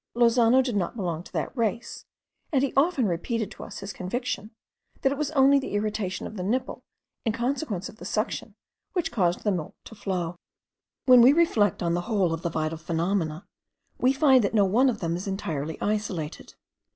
Lozano did not belong to that race; and he often repeated to us his conviction, that it was only the irritation of the nipple, in consequence of the suction, which caused the flow of milk. When we reflect on the whole of the vital phenomena, we find that no one of them is entirely isolated.